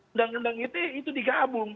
undang undang ite itu digabung